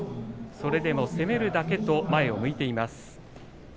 それでも攻めるだけと前を向いています。